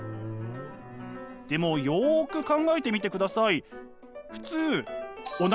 でもよく考えてみてください。